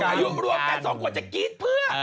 อายุรวมกันสองคนจะกรี๊ดเพื่อ